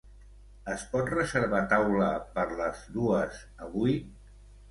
Es pot reservar taula per les dues avui?